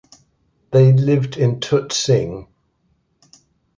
They lived in Tutzing.